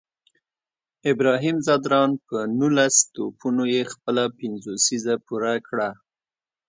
ابراهیم ځدراڼ په نولس توپونو یې خپله پنځوسیزه پوره کړه